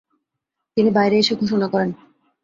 তিনি বাইরে এসে ঘোষণা করেন